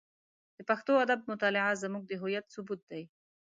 د پښتو ادب مطالعه زموږ د هویت ثبوت دی.